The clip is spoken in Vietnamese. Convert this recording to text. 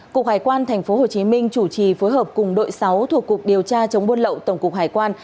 cục hải quan tp hcm chủ trì phối hợp cùng đội sáu thuộc cục điều tra chống buôn lậu tổng cục hải quan